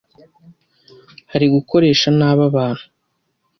hari gukoresha nabi abantu